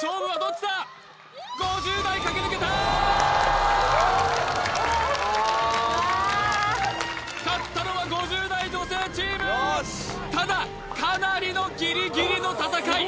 うわ勝ったのは５０代女性チームただかなりのギリギリの戦い